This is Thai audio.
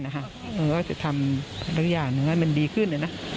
ก็จะทำหลักอย่างหนึ่งมันดีขึ้นเลยนะ